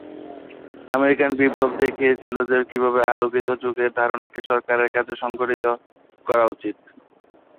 American বিপ্লব দেখিয়েছিল যে, কীভাবে আলোকিত যুগের ধারণাকে সরকারের কাজে সংগঠিত করা উচিত।